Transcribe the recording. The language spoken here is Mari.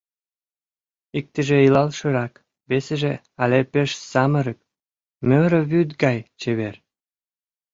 Иктыже илалшырак, весыже але пеш самырык, мӧрӧ вӱд гай чевер...